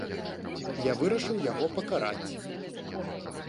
Я вырашыў яго пакараць.